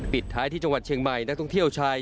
ปิดท้ายที่จังหวัดเชียงใหม่นักท่องเที่ยวชาย